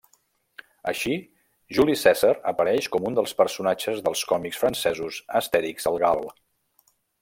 Així, Juli Cèsar apareix com un dels personatges dels còmics francesos Astèrix el gal.